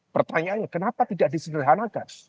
pertanyaannya kenapa tidak disederhanakan